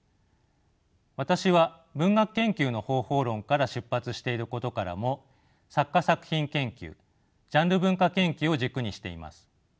私は文学研究の方法論から出発していることからも作家作品研究ジャンル文化研究を軸にしています。